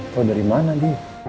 kau dari mana d